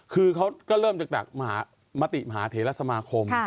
คือเค้าก็เริ่มจากหม่ามธิมหาเทศสมาคม